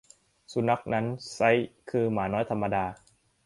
สุนัขนั้นไซร้คือหมาน้อยธรรมดา